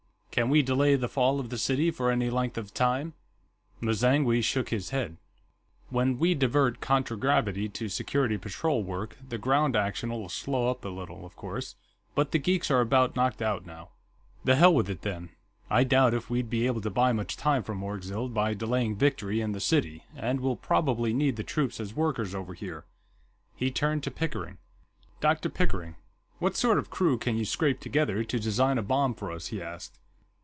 Can we delay the fall of the city for any length of time?" M'zangwe shook his head. "When we divert contragravity to security patrol work, the ground action'll slow up a little, of course. But the geeks are about knocked out, now." "The hell with it, then. I doubt if we'd be able to buy much time from Orgzild by delaying victory in the city, and we'll probably need the troops as workers over here." He turned to Pickering. "Dr. Pickering, what sort of a crew can you scrape together to design a bomb for us?" he asked.